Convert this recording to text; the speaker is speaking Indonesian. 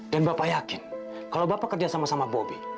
dan bapak yakin kalau bapak kerja sama sama bobby